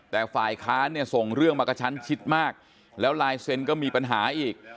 แต่ฝ่ายค้านเนี่ยส่งเรื่องมากระชั้นชิดมากแล้วลายเซ็นต์ก็มีปัญหาอีก